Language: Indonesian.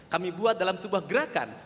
kami buat dalam sebuah gerakan